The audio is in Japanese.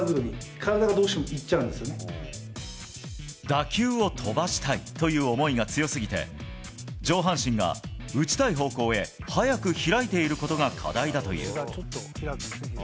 打球を飛ばしたいという思いが強すぎて、上半身が打ちたい方向へ早く開いていることが課題だという。